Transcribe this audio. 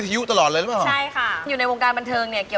ม๑๙๘๔บูรวงอยู่บุรวงไร้คะ